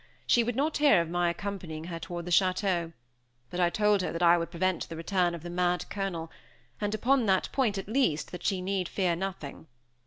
She would not hear of my accompanying her toward the château. But I told her that I would prevent the return of the mad Colonel; and upon that point, at least, that she need fear nothing.